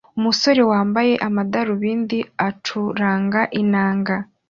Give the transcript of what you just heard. Umusore wambaye amadarubindi acuranga inanga